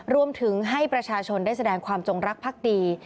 รวมถึงให้ประชาชนได้แสดงความจงรักภักดี